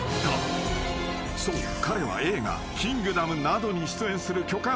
彼は映画『キングダム』などに出演する巨漢俳優］